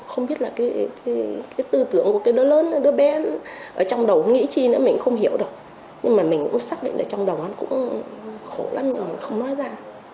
không biết là cái tư tưởng của cái đứa lớn đứa bé ở trong đầu nghĩ chi nữa mình không hiểu được nhưng mà mình cũng xác định là trong đầu ăn cũng khổ lắm rồi không nói ra